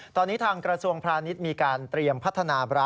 ตอนนี้ทางกระทรวงพาณิชย์มีการเตรียมพัฒนา